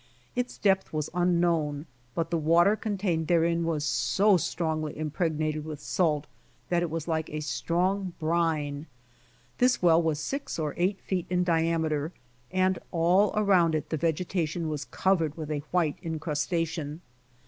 Its depth was unknown, but the water contained therein was so strongly impregnated with salt that it was like a strong brine. This well was six or eight feet in diameter, and all around it the vegetation was covered with a white incrustation.